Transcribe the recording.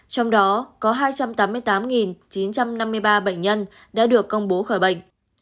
trong đó có hai trăm tám mươi tám chín trăm năm mươi ba bệnh nhân đã được công bố khỏi bệnh